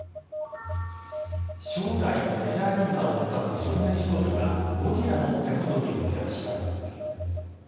将来のメジャーリーガーを目指す少年少女がゴジラの手ほどきを受けました。